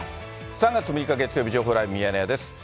３月６日月曜日、情報ライブミヤネ屋です。